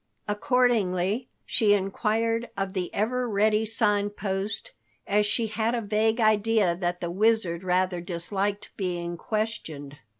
Accordingly she inquired of the ever ready Sign Post, as she had a vague idea that the Wizard rather disliked being questioned.